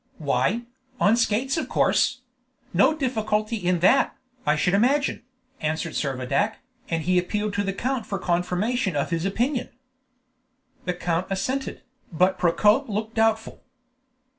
"Why, on skates of course; no difficulty in that, I should imagine," answered Servadac, and he appealed to the count for confirmation of his opinion. The count assented, but Procope looked doubtful.